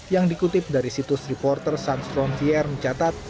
yang dikutip dari situs reporter sun strong t r mencatat